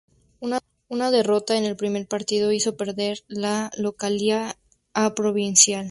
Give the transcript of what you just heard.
Una derrota en el primer partido hizo perder la localía a Provincial.